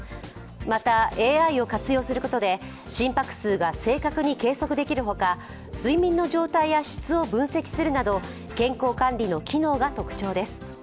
また、ＡＩを活用することで心拍数が正確に計測できるほか、睡眠の状態や質を分析するなど健康管理の機能が特徴です。